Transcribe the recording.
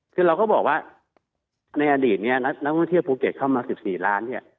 คือเราก็บอกว่าในอดีตนี้นักท่องเที่ยวภูเก็ตเข้ามา๑๔ล้านเนี่ย